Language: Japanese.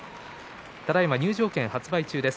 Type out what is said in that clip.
ただいま入場券発売中です。